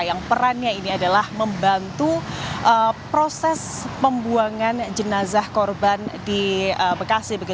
yang perannya ini adalah membantu proses pembuangan jenazah korban di bekasi